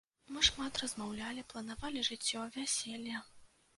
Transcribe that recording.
Мы шмат размаўлялі, планавалі жыццё, вяселле.